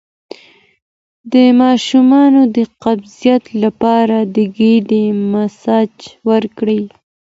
د ماشوم د قبضیت لپاره د ګیډې مساج وکړئ